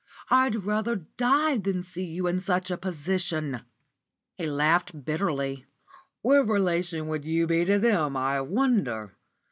I'd rather die than see you in such a position." He laughed bitterly. "What relation would you be to them, I wonder?